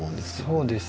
そうですね。